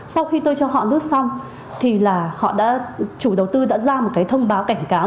sau khi tôi cho họ đốt xong thì là họ đã chủ đầu tư đã ra một cái thông báo cảnh cáo